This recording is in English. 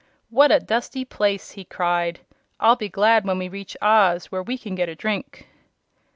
"What a dusty place!" he cried. "I'll be glad when we reach Oz, where we can get a drink."